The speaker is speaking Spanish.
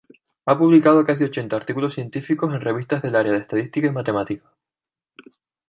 Ha publicado casi ochenta artículos científicos en revistas del área de estadística y matemática.